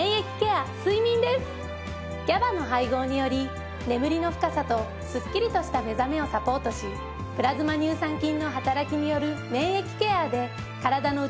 ＧＡＢＡの配合により眠りの深さとすっきりとした目覚めをサポートしプラズマ乳酸菌の働きによる免疫ケアで体の内側から元気になれるドリンクです。